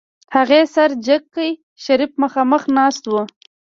هغې سر جګ کړ شريف مخاخ ناست و.